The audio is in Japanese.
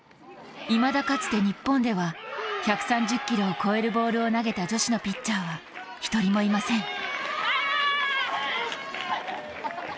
未だかつて日本では１３０キロを超えるボールを投げた女子のピッチャーは１人もいません。